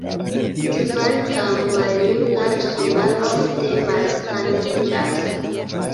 Kvankam maljuna, ŝi malofte malsaniĝas.